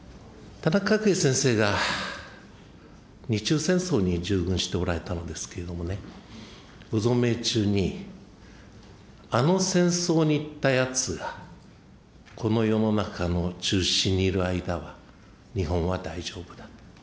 田中角栄先生が日中戦争に従軍しておられたのですけれどもね、ご存命中に、あの戦争に行ったやつがこの世の中の中心にいる間は、日本は大丈夫だと。